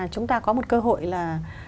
chúng ta có một cơ hội là